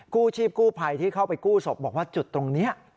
กู้ชีพกู้ภัยที่เข้าไปกู้ศพบอกว่าจุดตรงนี้